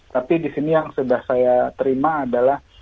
tapi disini yang sudah saya terima adalah